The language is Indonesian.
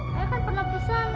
ayah kan pernah kesan